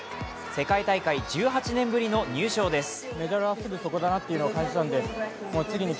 世界大会１８年ぶりの入賞です。